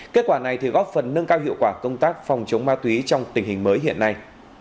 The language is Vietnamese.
kết quả này góp phần nâng cao hiệu quả công tác phòng chống ma túy trong tình hình mới hiện nay